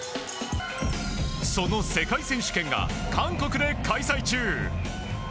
その世界選手権が韓国で開催中。